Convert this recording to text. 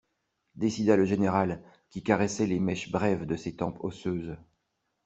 Décida le général, qui caressait les mèches brèves de ses tempes osseuses.